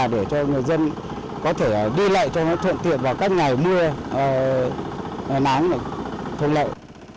để cho người dân có thể đi lại cho nó thuận tiện vào các ngày mưa nắng thuận lợi